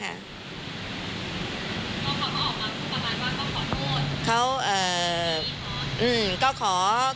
พอเขาออกมาพูดประมาณว่าเขาขอโทษ